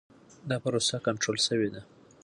دا پروسه کنټرول شوې ده.